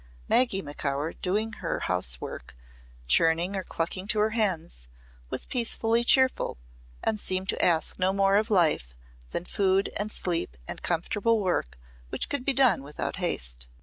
Maggy Macaur doing her housework, churning or clucking to her hens, was peacefully cheerful and seemed to ask no more of life than food and sleep and comfortable work which could be done without haste.